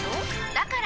だから！